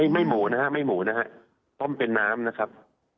ไม่หมู่นะครับไม่หมู่นะครับต้มเป็นน้ำนะครับ